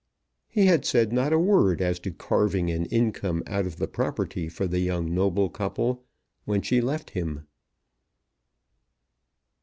He had said not a word as to carving an income out of the property for the young noble couple when she left him.